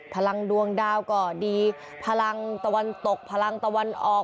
พลังดวงดาวก็ดีพลังตะวันตกพลังตะวันออก